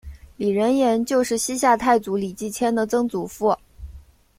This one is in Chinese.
李仁颜就是西夏太祖李继迁的曾祖父。